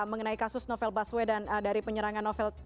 mengenai kasus novel baswe dan dari penyerangan novel